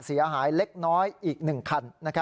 เสียหายเล็กน้อยอีก๑คัน